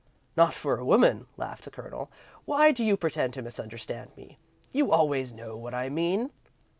"Not for a woman," laughed the Colonel. "Why do you pretend to misunderstand me? You always know what I mean."